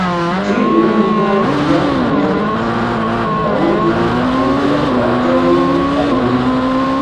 Ĉi ringo jam komencis kaŭzi malagrablaĵojn al li.